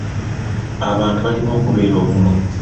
Abantu balina okubeera obumu.